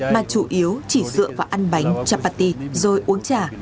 mà chủ yếu chỉ dựa vào ăn bánh chapati rồi uống trà